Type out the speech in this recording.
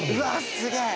すげえ。